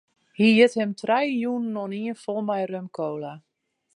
Hy geat him trije jûnen oanien fol mei rum-kola.